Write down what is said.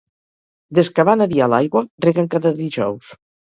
Des que van adiar l'aigua, reguen cada dijous.